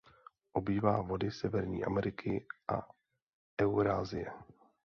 Obývá vody Severní Ameriky a Eurasie.